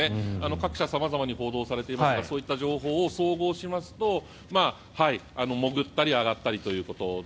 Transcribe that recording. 各社、様々に報道されていますがそういった情報を総合しますと、潜ったり上がったりということで。